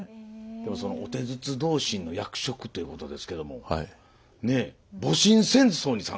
でもその御手筒同心の役職っていうことですけどもねえ戊辰戦争に参加してますよ。